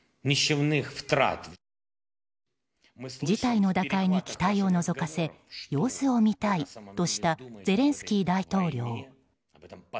事態の打開に期待をのぞかせ様子を見たいとしたゼレンスキー大統領。